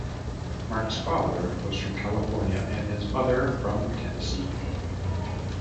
Mark's father was from California and his mother from Tennessee.